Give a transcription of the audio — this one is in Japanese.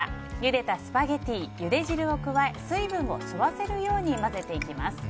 ハマグリの口が開いたらゆで汁を加え、水分を吸わせるように混ぜていきます。